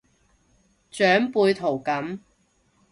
長輩圖噉